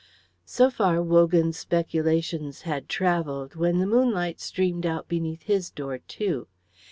So far Wogan's speculations had travelled when the moonlight streamed out beneath his door too.